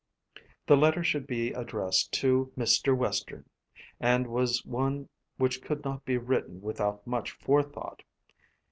The letter should be addressed to Mr. Western, and was one which could not be written without much forethought.